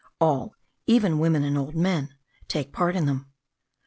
All, even women and old men, take part in them.